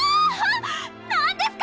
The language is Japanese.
何ですか？